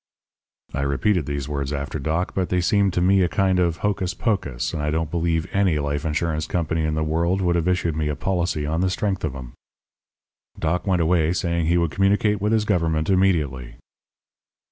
"I repeated these words after Doc, but they seemed to me a kind of hocus pocus; and I don't believe any life insurance company in the world would have issued me a policy on the strength of 'em. "Doc went away saying he would communicate with his government immediately.